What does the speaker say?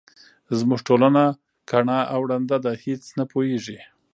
زموږ ټولنه کڼه او ړنده ده هیس نه پوهیږي.